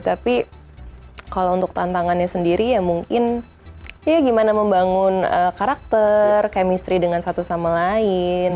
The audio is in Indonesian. tapi kalau untuk tantangannya sendiri ya mungkin ya gimana membangun karakter chemistry dengan satu sama lain